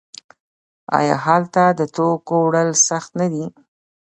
آیا هلته د توکو وړل سخت نه دي؟